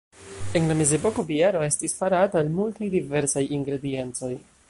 En la mezepoko biero estis farata el multaj diversaj ingrediencoj.